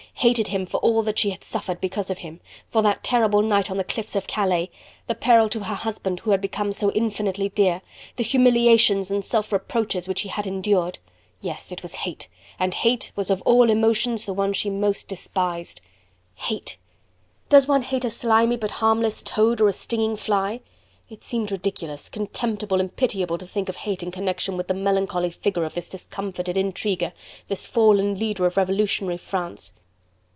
Hated him for all that she had suffered because of him; for that terrible night on the cliffs of Calais! The peril to her husband who had become so infinitely dear! The humiliations and self reproaches which he had endured. Yes! it was hate! and hate was of all emotions the one she most despised. Hate? Does one hate a slimy but harmless toad or a stinging fly? It seemed ridiculous, contemptible and pitiable to think of hate in connection with the melancholy figure of this discomfited intriguer, this fallen leader of revolutionary France.